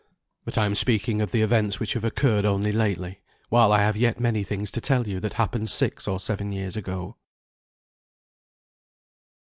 But I am speaking of the events which have occurred only lately, while I have yet many things to tell you that happened six or seven years ago.